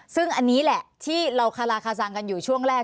ซึ่งอันนี้แหละที่เราคาราคาซังกันอยู่ช่วงแรก